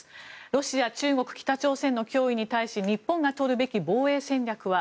ロシア、中国、北朝鮮の脅威に対し日本が取るべき防衛戦略は。